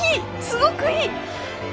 すごくいい！